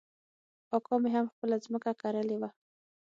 اکا مې هم خپله ځمکه کرلې وه.